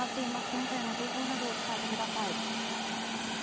現在の情報などを伝えてください。